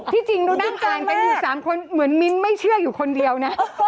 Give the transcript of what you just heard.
ที่จริงนู้นด้ามการได้อยู่๓คนเหมือนมิ้นซ์ไม่เชื่ออยู่คนเดียวนะ